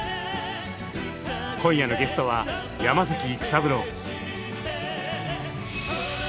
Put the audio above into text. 今夜のゲストは山崎育三郎。